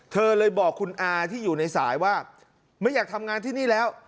เธอเลยบอกคุณอาที่อยู่ในสายว่าไม่อยากทำงานที่นี่แล้ว